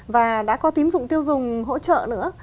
và đã có tín dụng tiêu dùng hỗ trợ nữa